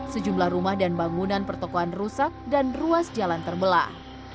sejumlah rumah dan bangunan pertokohan rusak dan ruas jalan terbelah